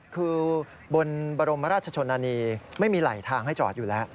คือบนบรมราชชนนานีไม่มีไหลทางให้จอดอยู่แล้ว